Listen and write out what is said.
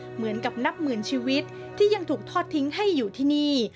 เหมือนกับนับหมื่นชีวิตที่ยังถูกทอดทิ้งให้อยู่ที่นี่